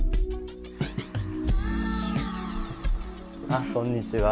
あっこんにちは。